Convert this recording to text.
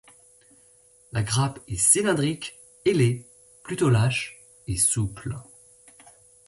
La grappe est cylindrique, ailée, plutôt lâche et souple.